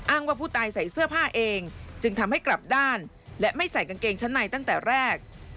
ว่าผู้ตายใส่เสื้อผ้าเองจึงทำให้กลับด้านและไม่ใส่กางเกงชั้นในตั้งแต่แรก